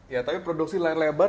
ya tapi produksi layar lebar